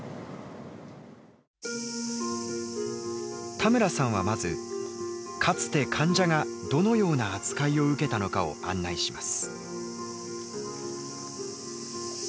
田村さんはまずかつて患者がどのような扱いを受けたのかを案内します。